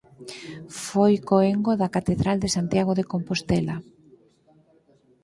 Foi cóengo da Catedral de Santiago de Compostela.